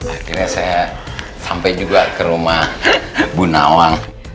akhirnya saya sampai juga ke rumah bu nawang